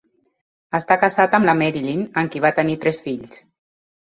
Està casat amb la Marilyn, amb qui va tenir tres fills.